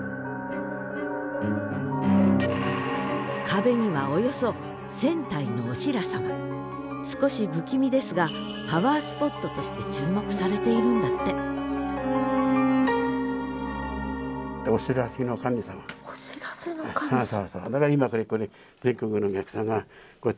壁にはおよそ少し不気味ですがパワースポットとして注目されているんだってお知らせの神様。